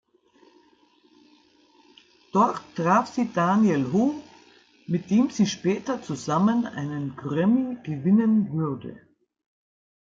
Dort traf sie Daniel Ho, mit dem sie später zusammen einen Grammy gewinnen würde.